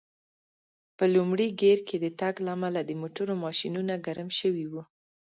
په لومړي ګېر کې د تګ له امله د موټرو ماشینونه ګرم شوي و.